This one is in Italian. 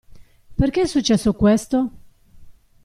Perché è successo questo?